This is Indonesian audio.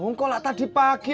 oh kolak tadi pagi